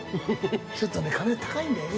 ちょっとね金高いんだよね